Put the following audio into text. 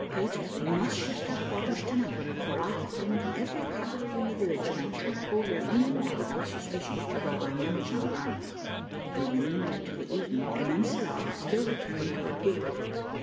Peter, we must shift our quarters to night, for I have been to every cabaret in the village, and I cannot go there any more without suspicion, although I am a gendarme." We remained there till the evening, and then set off, still returning toward Givet.